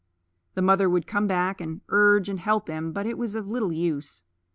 The mother would come back, and urge, and help him; but it was of little use.